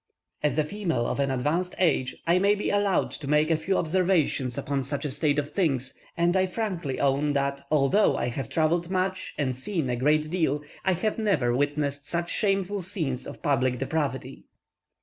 As a female of an advanced age, I may be allowed to make a few observations upon such a state of things, and I frankly own that, although I have travelled much and seen a great deal, I never witnessed such shameful scenes of public depravity.